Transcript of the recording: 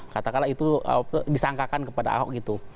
katakanlah itu disangkakan kepada ahok gitu